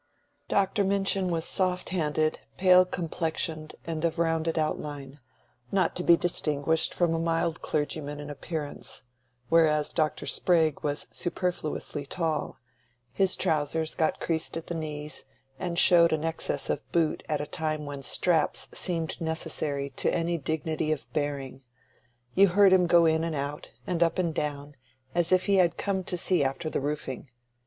Dr. Minchin was soft handed, pale complexioned, and of rounded outline, not to be distinguished from a mild clergyman in appearance: whereas Dr. Sprague was superfluously tall; his trousers got creased at the knees, and showed an excess of boot at a time when straps seemed necessary to any dignity of bearing; you heard him go in and out, and up and down, as if he had come to see after the roofing.